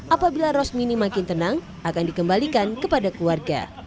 apabila rosmini makin tenang akan dikembalikan kepada keluarga